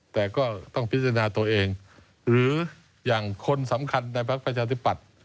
แต่ก็ต้องพิจารณาตัวเองหรืออย่างคนสำคัญในพักประชาธิปัตย์